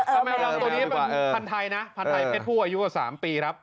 สังว่าพันทายแมวล้าง๓ปี